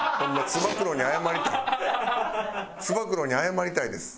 つば九郎に謝りたいです。